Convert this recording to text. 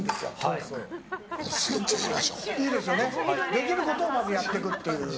できることをまずやっていくと。